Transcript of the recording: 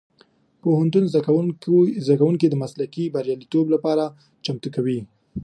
پوهنتون زدهکوونکي د مسلکي بریالیتوب لپاره چمتو کوي.